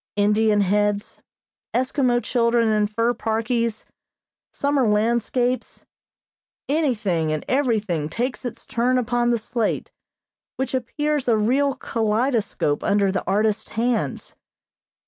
Indian heads, Eskimo children in fur parkies, summer landscapes, anything and everything takes its turn upon the slate, which appears a real kaleidoscope under the artist's hands.